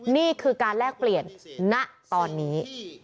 นี่คือการแลกเปลี่ยนณตอนนี้